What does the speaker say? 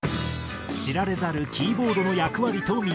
知られざるキーボードの役割と魅力。